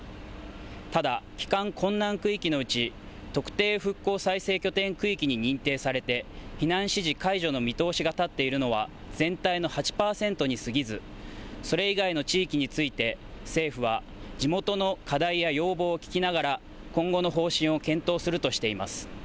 ただ帰還困難区域のうち特定復興再生拠点区域に認定されて避難指示解除の見通しが立っているのは全体の８％にすぎずそれ以外の地域について政府は地元の課題や要望を聞きながら今後の方針を検討するとしています。